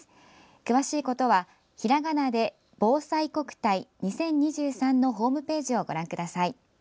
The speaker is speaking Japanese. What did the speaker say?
詳しいことは、ひらがなで「ぼうさいこくたい２０２３」のホームページをご覧ください。